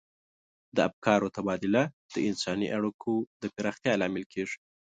د افکارو تبادله د انساني اړیکو د پراختیا لامل کیږي.